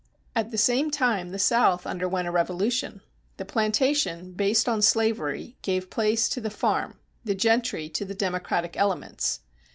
At the same time the South underwent a revolution. The plantation, based on slavery, gave place to the farm, the gentry to the democratic elements.